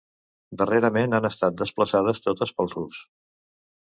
Darrerament han estat desplaçades totes pel rus.